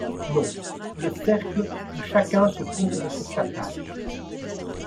Non. Le cercle où chacun se courbe sur sa tâche